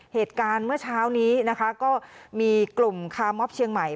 เหตุการณ์เมื่อเช้านี้นะคะก็มีกลุ่มคาร์มอบเชียงใหม่